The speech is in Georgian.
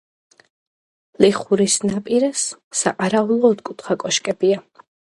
ლეხურის ნაპირას, საყარაულო ოთხკუთხა კოშკებია.